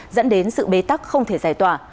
dẫn đến sự bế tắc không thể giải tỏa